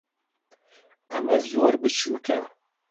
ئەمە زۆر بچووکە.